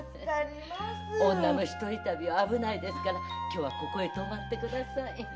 女の一人旅は危ないですから今日はここへ泊まってください。